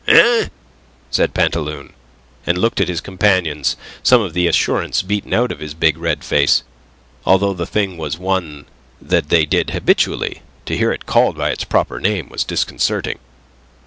"Eh?" said Pantaloon, and looked at his companions, some of the assurance beaten out of his big red face. Although the thing was one that they did habitually, to hear it called by its proper name was disconcerting.